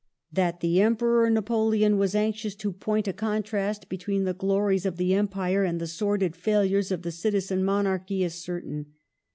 That the Em peror Napoleon was anxious to point a contrast between the glories of the Empire and the sordid failures of the Citizen Monarchy is certain.